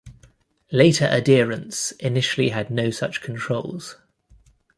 Later adherents initially had no such controls.